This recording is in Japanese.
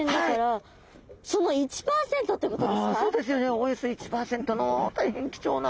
およそ１％の大変貴重な。